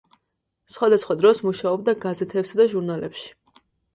სხვადასხვა დროს მუშაობდა გაზეთებსა და ჟურნალებში.